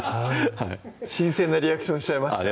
新鮮なリアクションしちゃいました